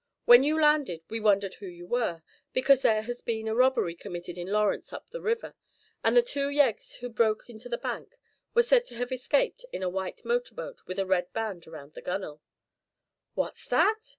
When you landed we wondered who you were, because there has been a robbery committed in Lawrence up the river, and the two yeggs who broke into the bank were said to have escaped in a white motor boat with a red band around the gunnel." "What's that?"